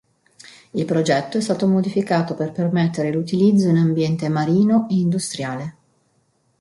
Il progetto è stato modificato per permetterne l'utilizzo in ambiente marino e industriale.